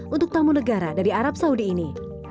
untuk tamu negara dari arab saudi ini